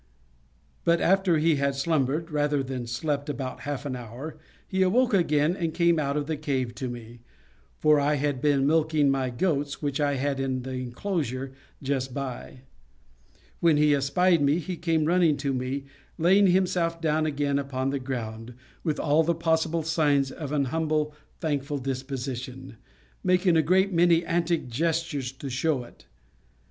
After he had slumbered, rather than slept, about half an hour, he awoke again, and came out of the cave to me for I had been milking my goats which I had in the enclosure just by; when he espied me he came running to me, laying himself down again upon the ground, with all the possible signs of an humble, thankful disposition, making a great many antic gestures to show it.